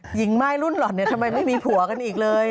หญิงม่ายรุ่นหล่อนเนี่ยทำไมไม่มีผัวกันอีกเลย